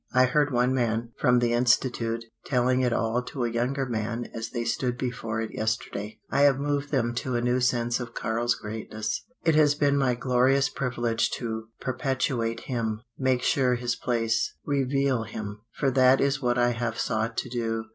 I heard one man from the Institute telling it all to a younger man as they stood before it yesterday. I have moved them to a new sense of Karl's greatness; it has been my glorious privilege to perpetuate him, make sure his place, reveal him for that is what I have sought to do.